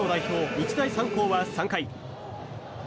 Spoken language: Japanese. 日大三高は３回。